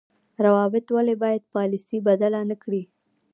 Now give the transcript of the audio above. روابط ولې باید پالیسي بدله نکړي؟